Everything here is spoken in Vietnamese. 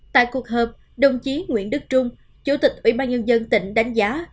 tại cuộc họp đồng chí nguyễn đức trung chủ tịch ủy ban nhân dân tỉnh đánh giá